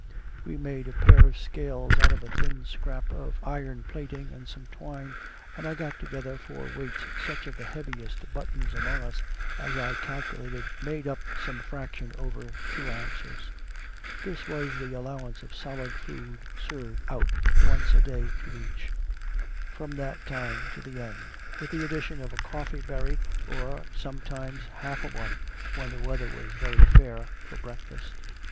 We made a pair of scales out of a thin scrap of iron plating and some twine, and I got together for weights such of the heaviest buttons among us as I calculated made up some fraction over two ounces. This was the allowance of solid food served out once a day to each, from that time to the end; with the addition of a coffee berry, or sometimes half a one, when the weather was very fair, for breakfast.